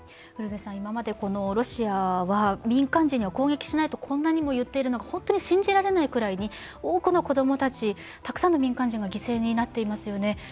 今までロシアは、民間人には攻撃しないと、こんなにも言っているのが信じられないくらいに多くの子供たち、たくさんの民間人が犠牲になっていますよね。